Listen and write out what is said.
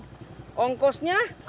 penghjung to truck